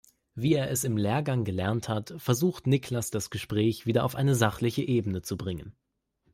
Wie er es im Lehrgang gelernt hat, versucht Niklas das Gespräch wieder auf eine sachliche Ebene zu bringen.